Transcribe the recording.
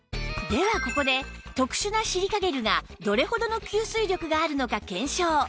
ではここで特殊なシリカゲルがどれほどの吸水力があるのか検証